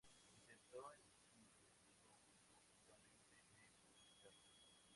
Intentó infructuosamente de publicarla.